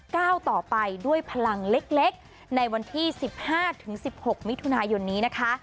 ก้าวต่อไปด้วยพลังเล็กในวันที่๑๕๑๖มิถุนายนนี้นะคะ